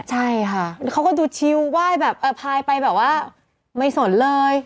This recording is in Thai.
ใช่ค่ะเขาก็ดูชิลไหว้แบบพายไปแบบว่าไม่สนเลย